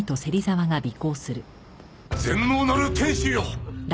全能なる天主よ！